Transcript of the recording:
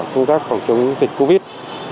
công tác phòng chống dịch covid